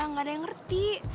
gak ada yang ngerti